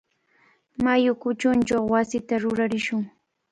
Mayu kuchunchaw wasita rurarishun.